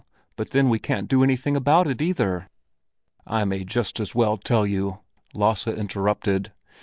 But then we can't do anything about it either." "I may just as well tell you," Lasse interrupted.